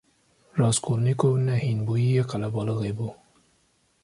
Raskolnîkov ne hînbûyiyê qelebalixê bû.